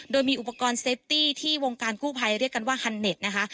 โดยมีอุปกรณ์เซฟตี้ที่วงการกู้ภัยเรียกกันว่าฮันเน็ตนะคะ